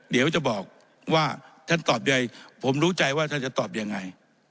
เดี๋ยวจะบอกว่าท่านตอบยังไงผมรู้ใจว่าท่านจะตอบยังไง